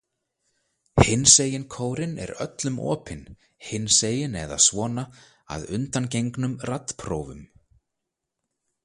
Hinsegin kórinn er öllum opinn, hinsegin eða svona, að undangengnum raddprófum.